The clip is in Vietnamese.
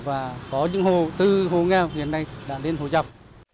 và có những hồ từ hồ nghèo hiện nay đã đến hồ dọc